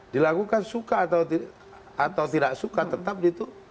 dilakukan suka atau tidak suka tetap gitu